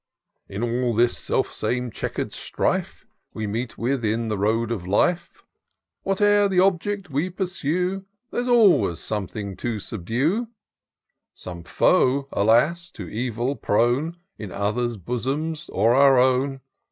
" In all this self same chequer'd strife We meet with in the road of life, Whate'er the object we pursue. There's always something to subdue ; Some foe, alas ! to. evil prone. In others' bosoms or our own.